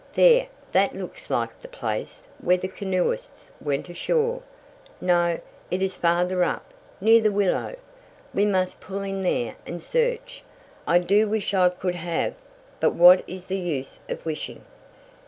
There! That looks like the place where the canoeists went ashore. No, it is farther up, near the willow. We must pull in there and search. I do wish I could have but what is the use of wishing."